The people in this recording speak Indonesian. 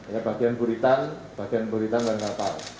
ya bagian buritan bagian buritan dan kapal